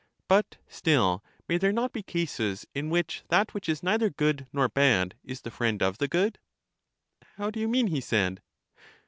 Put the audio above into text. but still may there not be cases in which that which is neither good nor bad is the friend of the good? How do you mean ? he said.